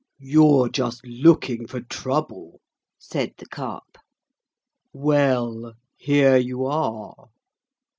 'You're just looking for trouble,' said the Carp. 'Well, here you are!'